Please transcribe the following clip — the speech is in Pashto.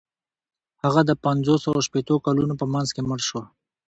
هغه د پنځوسو او شپیتو کلونو په منځ کې مړ شو.